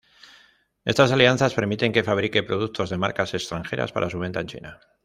Estas alianzas permiten que fabrique productos de marcas extranjeras para su venta en China.